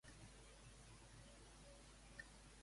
On s'ha fet el debat electoral?